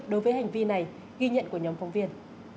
đối với hành vi này ghi nhận của nhóm phóng viên